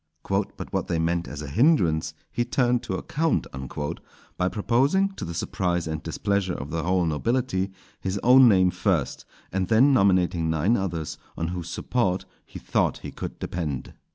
"But what they meant as a hindrance, he turned to account," by proposing, to the surprise and displeasure of the whole nobility, his own name first, and then nominating nine others on whose support he thought he could depend.